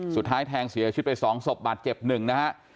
สุดท้ายแทงเสียชีวิตไป๒ศพบาดเจ็บหนึ่งนะฮะ